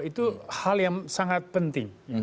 itu hal yang sangat penting